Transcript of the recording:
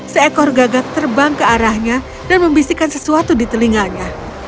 seekor gagak terbang ke arahnya dan membisikkan sesuatu di telinganya